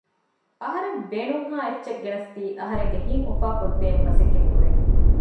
އަހަރެން ބޭނުންހާ އެއްޗެއް ގެނަސްދީ އަހަރެންގެ ހިތް އުފާ ކޮށްދޭން މަސައްކަތް ކުރޭ